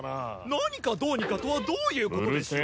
「何かどうにか」とはどういうことでしょう？